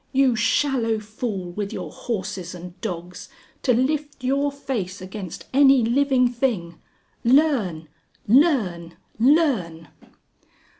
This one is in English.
You shallow fool with your horses and dogs! To lift your face against any living thing! Learn! Learn! Learn!"